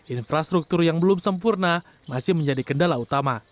infrastruktur yang belum sempurna masih menjadi kendala utama